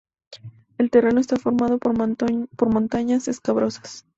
El terreno está formado por montañas escabrosas.